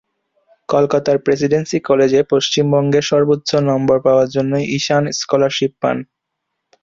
কলকাতার প্রেসিডেন্সি কলেজে পশ্চিমবঙ্গে সর্বোচ্চ নম্বর পাওয়ার জন্য ঈশান স্কলারশিপ পান।